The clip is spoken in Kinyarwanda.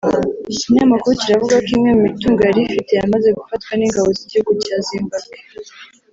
Iki kinyamakuru kiravuga ko imwe mu mitungo yari afite yamaze gufatwa n’ingabo z’igihugu cya Zimbawe